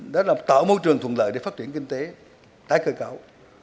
đó là tạo môi trường thuận lợi để phát triển kinh tế tái cơ cấu